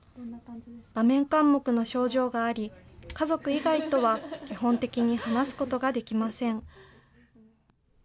場面かん黙の症状があり、家族以外とは基本的に話すことができません。